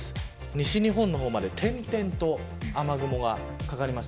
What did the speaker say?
西日本の方まで点々と雨雲がかかります。